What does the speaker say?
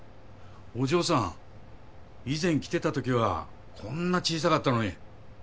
お嬢さん以前来てたときはこんな小さかったのに。